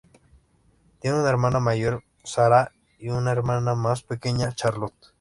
Tiene una hermana mayor, Sarah, y una hermana más pequeña, Charlotte.